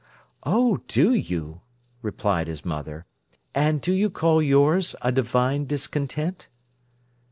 "Oh, do you!" replied his mother. "And do you call yours a divine discontent?"